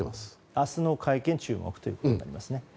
明日の会見に注目ということになりますね。